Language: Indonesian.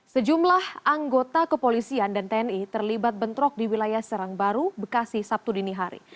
sejumlah anggota kepolisian dan tni terlibat bentrok di wilayah serangbaru bekasi sabtu dinihari